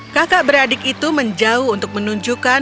kakak beradik itu menjauh untuk menunjukkan